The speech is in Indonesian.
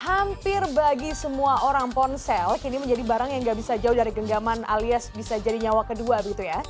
hampir bagi semua orang ponsel kini menjadi barang yang gak bisa jauh dari genggaman alias bisa jadi nyawa kedua begitu ya